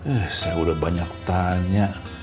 eh saya udah banyak tanya